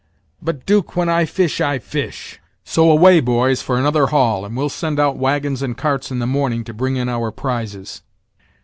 But, 'Duke, when I fish I fish; so, away, boys, for another haul, and we'll send out wagons and carts in the morning to bring in our prizes."